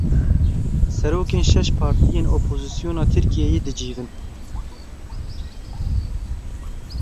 Serokên şeş partiyên opozîsyona Tirkiyeyê dicivin.